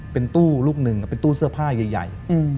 เป็นตู้ลูกหนึ่งเป็นตู้เสื้อผ้าใหญ่